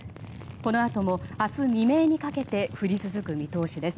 このあとも、明日未明にかけて降り続く見通しです。